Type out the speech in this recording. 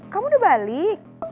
kamu udah balik